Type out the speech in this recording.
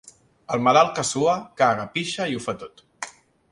El malalt que sua, caga, pixa i ho fa tot.